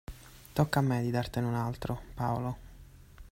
Tocca a me di dartene un altro, Paolo.